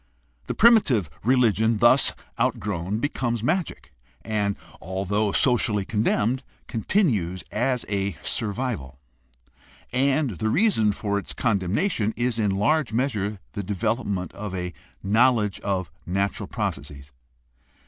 The primitive religion thus outgrown becomes magic and, although socially condemned, continues as a survival. And the reason for its condemnation is in large measure the development of a knowledge of natural processes.